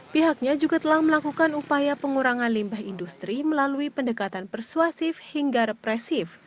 pihaknya juga telah melakukan upaya pengurangan limbah industri melalui pendekatan persuasif hingga represif